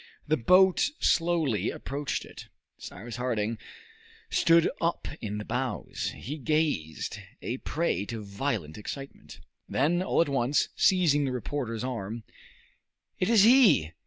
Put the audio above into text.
The boat slowly approached it, Cyrus Harding stood up in the bows. He gazed, a prey to violent excitement. Then, all at once, seizing the reporter's arm, "It is he!